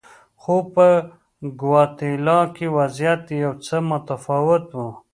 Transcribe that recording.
خو په ګواتیلا کې وضعیت یو څه متفاوت و.